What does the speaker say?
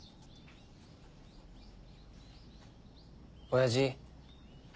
親父。